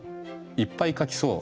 いっぱい描きそう。